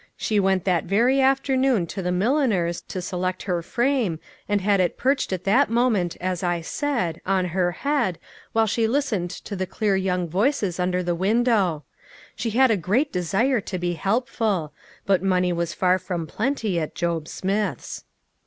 She went that very afternoon to the milliner's to select her frame, and had it perched at that moment as I said, on her head, while she listened to the clear young voices under the win dow. She had a great desire to be helpful ; but money was far from plenty at Job Smith's.